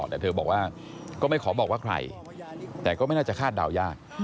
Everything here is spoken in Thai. แต่เธอบอกว่าก็ไม่ขอบอกว่าใครแต่ก็ไม่น่าจะคาดเดายาก